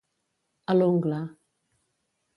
A l'ungla.